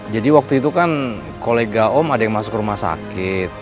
jadi waktu itu kan kolega om ada yang masuk rumah sakit